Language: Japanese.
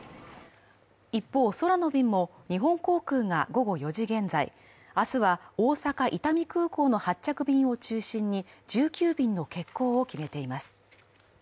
一方、空の便も日本航空が午後４時現在、明日は大阪・伊丹空港の発着便を中心に１９便の欠航を決めています。